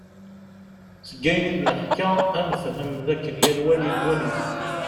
Seg wayen id-neḥka ad nefhem, d akken yal wa di ddunit.